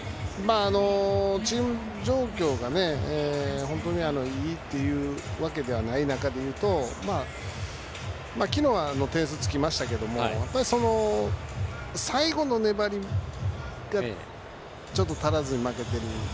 チーム状況がいいわけでない中で言うと昨日はペースつきましたけど最後の粘りがちょっと足らずに負けている。